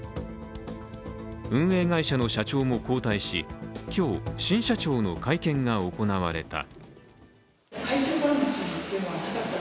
運営会社の社長も交代し今日、新社長の会見が行われた。